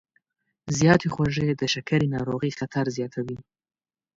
زیاتې خوږې د شکرې ناروغۍ خطر زیاتوي.